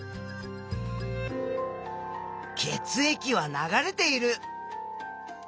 血液は流れている！